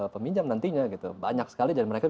peminjam nantinya gitu banyak sekali dan mereka